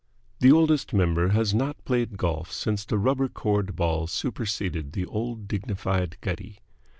The Oldest Member has not played golf since the rubber cored ball superseded the old dignified gutty.